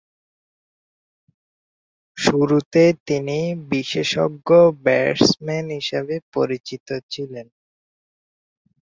শুরুতে তিনি বিশেষজ্ঞ ব্যাটসম্যান হিসেবে পরিচিত ছিলেন।